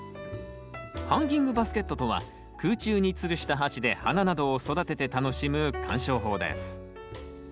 ハンギングバスケットとは空中につるした鉢で花などを育てて楽しむ鑑賞法です。